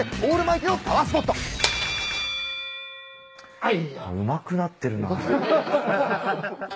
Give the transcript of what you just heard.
はい。